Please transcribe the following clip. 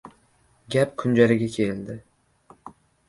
Gap kunjaraga keldi.